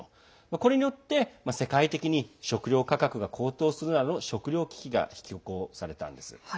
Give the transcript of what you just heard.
これによって世界的に食料価格が高騰するなど食料危機が引き起こされたんです。